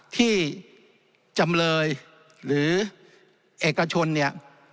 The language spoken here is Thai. ที่จำเลยหรือเอกชนเนี่ย